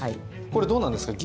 これどうなんですか？